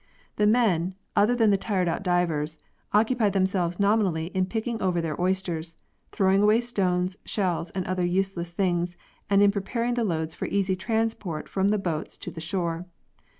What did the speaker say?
The men, other than the tired out divers, occupy themselves nominally in picking over their oysters, throwing away stones, shells, and other useless things, and in preparing the loads for easy transport from the boats to the shore.